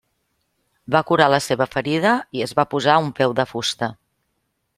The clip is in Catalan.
Va curar la seva ferida i es va posar un peu de fusta.